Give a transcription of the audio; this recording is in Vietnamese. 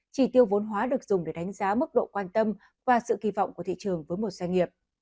chỉ tiêu vốn hóa được dùng để đánh giá mức độ quan tâm và sự kỳ vọng của thị trường với một doanh nghiệp